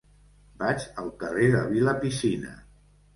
Vaig al carrer de Vilapicina.